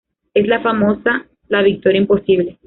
Es la famosa ""La Victoria Imposible"".